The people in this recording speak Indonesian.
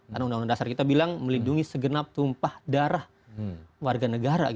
karena undang undang dasar kita bilang melindungi segenap tumpah darah warga negara